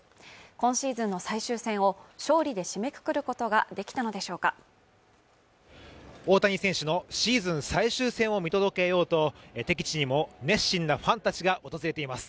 今シーズンの最終戦を勝利で締めくくることができたのでしょうか大谷選手のシーズン最終戦を見届けようと敵地にも熱心なファンたちが訪れています